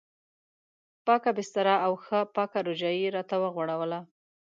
پاکه بستره او ښه پاکه رجایي یې راته وغوړوله.